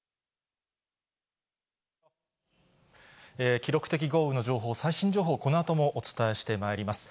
記録的豪雨の情報、最新情報、このあともお伝えしてまいります。